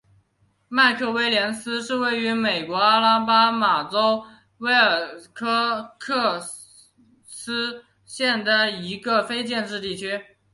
麦克威廉斯是位于美国阿拉巴马州威尔科克斯县的一个非建制地区。